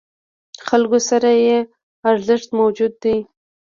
خلکو سره یې ارزښت موجود دی.